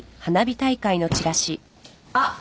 あっ。